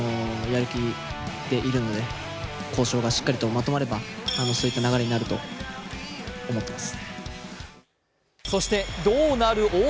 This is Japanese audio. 交渉がしっかりとまとまれば、そういった流れになると思っています。